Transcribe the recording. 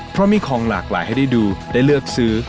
เพราะมีของหลากหลายให้ได้ดูได้เลือกซื้อ